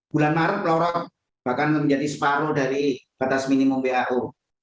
bulan maret lorok bahkan menjadi separuh dari batas minimum who